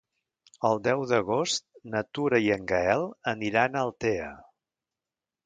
El deu d'agost na Tura i en Gaël aniran a Altea.